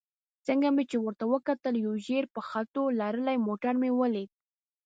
څنګه چې مې ورته وکتل یو ژېړ په خټو لړلی موټر مې ولید.